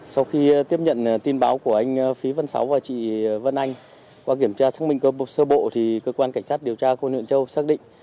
sau khi tiếp nhận tin báo của anh phí văn sáu và chị vân anh qua kiểm tra xác minh cơ sơ bộ thì cơ quan cảnh sát điều tra công an huyện châu xác định